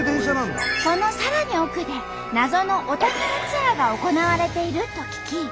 そのさらに奥で謎のお宝ツアーが行われていると聞き。